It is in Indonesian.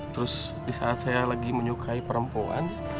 terus di saat saya lagi menyukai perempuan